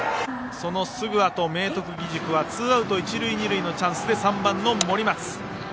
そのすぐあと、明徳義塾はツーアウト一塁二塁のチャンスで３番の森松。